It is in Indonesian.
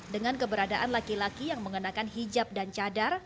dengan keberadaan laki laki yang mengenakan hijab dan cadar